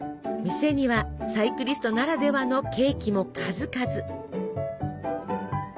店にはサイクリストならではのケーキも数々。